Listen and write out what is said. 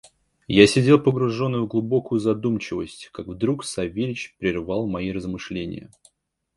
Я сидел погруженный в глубокую задумчивость, как вдруг Савельич прервал мои размышления.